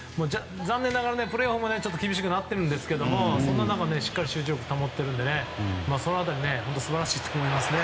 残念ながらプレーオフは厳しくなっていると思いますがそんな中、しっかり集中力を保っているので素晴らしいと思いますね。